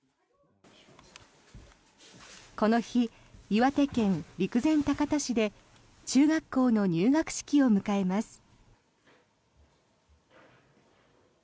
この日、岩手県陸前高田市で中学校の入学式を迎えます。